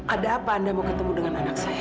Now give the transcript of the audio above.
ada apa anda mau ketemu dengan anak saya